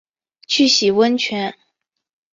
去洗温泉